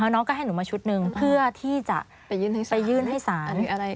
น้องก็ให้หนูมาชุดหนึ่งเพื่อที่จะไปยื่นให้ศาล